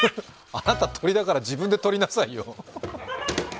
あなた鳥だから自分でとりなさいよ。